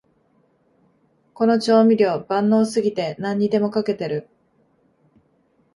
この調味料、万能すぎて何にでもかけてる